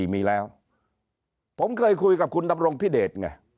มีแล้วผมเคยคุยกับคุณดำรงพิเดชไง